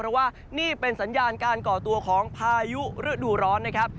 เพราะว่านี่เป็นสัญญาณการก่อตัวของพายุฤดูร้อนนะครับ